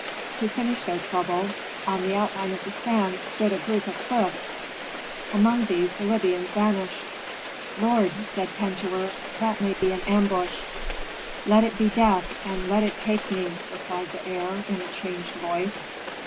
To finish their trouble, on the outline of the sands stood a group of cliffs; among these the Libyans vanished. "Lord," said Pentuer, "that may be an ambush." "Let it be death, and let it take me!" replied the heir, in a changed voice.